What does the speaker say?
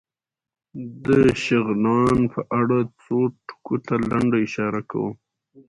د شغنان په اړه څو ټکو ته لنډه اشاره کوم.